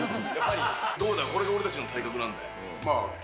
どうだ、これが俺たちの体格なんだよ。